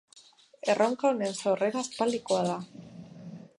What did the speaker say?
Erronka honen sorrera aspaldikoa da.